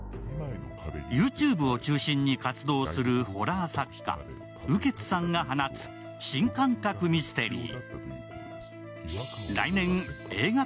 ＹｏｕＴｕｂｅを中心に活動するホラー作家、雨穴さんが放つ新感覚ミステリー。